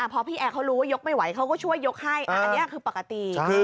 พอพี่แอร์เขารู้ว่ายกไม่ไหวเขาก็ช่วยยกให้อันนี้คือปกติ